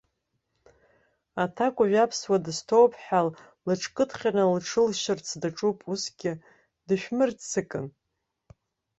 Аҭакәажә аԥсуа дысҭоуп ҳәа лыҽкыдҟьан лҽылшьырц даҿуп усгьы, дышәмырццакын.